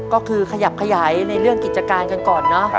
ก็คือขยับขยายในเรื่องกิจการกันก่อนเนอะ